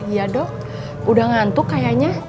iya dok udah ngantuk kayaknya